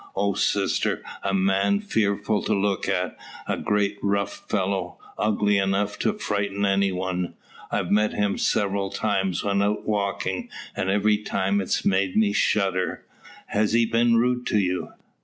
"Oh, sister! A man fearful to look at. A great rough fellow, ugly enough to frighten any one. I've met him several times when out walking, and every time it's made me shudder." "Has he been rude to you?"